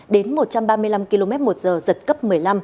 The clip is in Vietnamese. đến một trăm ba mươi năm km một giờ giật cấp một mươi năm